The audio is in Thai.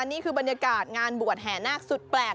นี่คือบรรยากาศงานบวชแห่นาคสุดแปลก